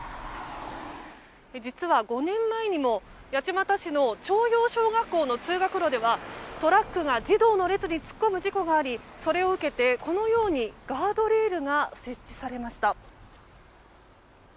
実は５年前にも八街市の朝陽小学校の通学路ではトラックが児童の列に突っ込む事故がありそれを受けてこのようにガードレールが設置されました。